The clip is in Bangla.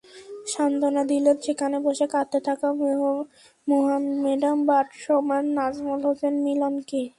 সান্ত্বনা দিলেন সেখানে বসে কাঁদতে থাকা মোহামেডান ব্যাটসম্যান নাজমুল হোসেন মিলনকে।